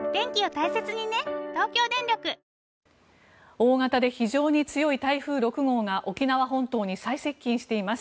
大型で非常に強い台風６号が沖縄本島に最接近しています。